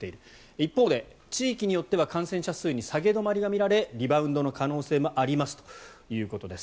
一方で、地域によっては感染者数に下げ止まりが見られリバウンドの可能性もありますということです。